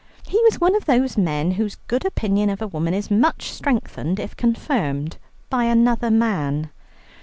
He was one of those men whose good opinion of a woman is much strengthened if confirmed by another man.